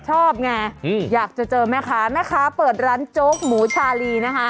ชอบไงอยากจะเจอแม่ค้าแม่ค้าเปิดร้านโจ๊กหมูชาลีนะคะ